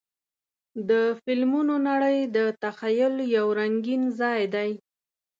د فلمونو نړۍ د تخیل یو رنګین ځای دی.